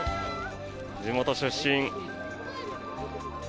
地元出身。